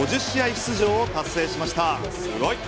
出場を達成しました。